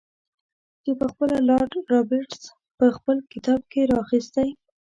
چې پخپله لارډ رابرټس په خپل کتاب کې را اخیستی.